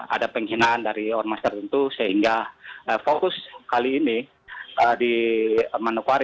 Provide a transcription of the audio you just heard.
ada penghinaan dari ormas tertentu sehingga fokus kali ini di manokwari